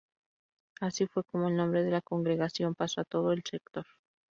Así fue como el nombre de la congregación pasó a todo el sector.